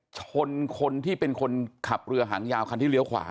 ชนคนที่เป็นคนขับเรือหางยาวคันที่เลี้ยวขวา